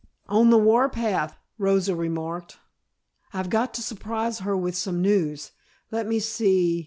"On the war path," Rosa remarked. "I've got to surprise her with some news. Let me see!